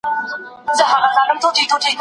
ناحقه مال کله هم وفا نه کوي.